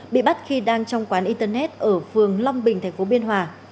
bị bắt khi đang trong quán internet ở phường long bình thành phố biên hòa